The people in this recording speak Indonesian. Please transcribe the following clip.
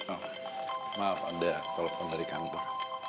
oh maaf ada telepon dari kantor